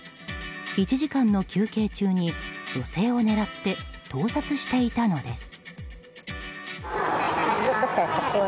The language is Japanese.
１時間の休憩中に女性を狙って盗撮していたのです。